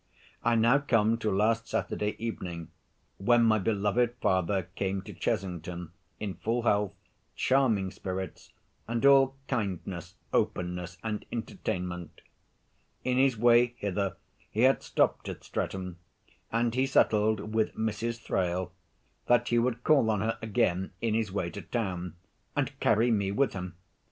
I now come to last Saturday evening, when my beloved father came to Chesington, in full health, charming spirits, and all kindness, openness, and entertainment. In his way hither he had stopped at Streatham, and he settled with Mrs. Thrale that he would call on her again in his way to town, and carry me with him!